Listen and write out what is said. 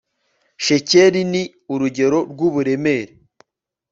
shekeli ni urugero rw uburemere